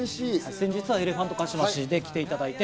先日はエレファントカシマシで来ていただいて。